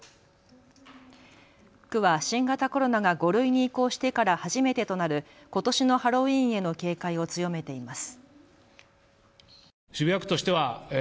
区は新型コロナが５類に移行してから初めてとなることしのハロウィーンへの警戒を強めています。